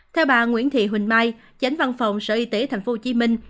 theo bà nguyễn thị huỳnh mai chánh văn phòng sở y tế thành phố hồ chí minh